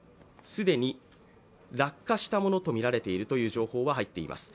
既に落下したものとみられているという情報は入っています。